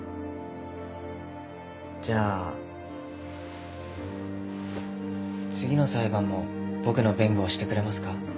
じゃあ次の裁判も僕の弁護をしてくれますか？